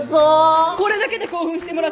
これだけで興奮してもらっちゃ困るわ。